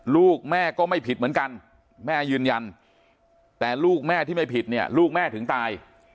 ลูกแม่ก็ไม่ผิดเหมือนกันแม่ยืนยันแต่ลูกแม่ที่ไม่ผิดเนี่ยลูกแม่ถึงตาย